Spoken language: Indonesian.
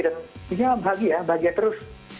dan ya bahagia bahagia terus